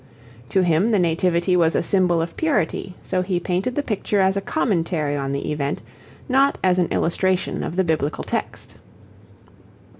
To him the Nativity was a symbol of purity, so he painted the picture as a commentary on the event, not as an illustration of the Biblical text.